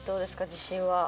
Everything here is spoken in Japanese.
自信は。